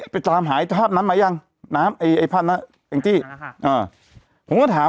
ไปตามหายภาพนั้นไหมยังน้ำไอ้ไอ้พ่าน่ะแองจี้อ่าผมก็ถาม